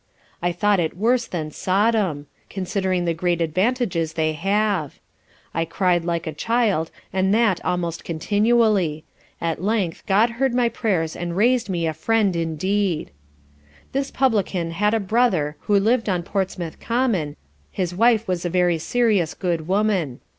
I thought it worse than Sodom (considering the great advantages they have) I cryed like a child and that almost continually: at length GOD heard my prayers and rais'd me a friend indeed. This publican had a brother who lived on Portsmouth common, his wife was a very serious good woman.